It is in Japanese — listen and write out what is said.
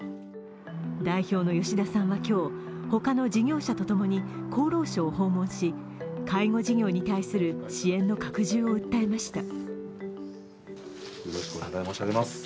代表の吉田さんは今日、他の事業者とともに厚労省を訪問し介護事業に対する支援の拡充を訴えました。